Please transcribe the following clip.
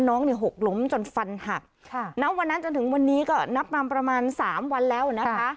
น้องเนี่ยหกล้มจนฟันหักค่ะณวันนั้นจนถึงวันนี้ก็นับนำประมาณสามวันแล้วนะคะ